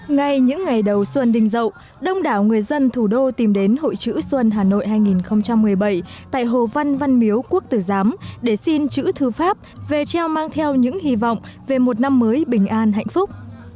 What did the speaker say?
ngay những ngày đầu xuân đình dậu đông đảo người dân thủ đô tìm đến hội chữ xuân hà nội hai nghìn một mươi bảy tại hồ văn văn miếu quốc tử giám để xin chữ thư pháp về treo mang theo những hy vọng về một năm mới bình an hạnh phúc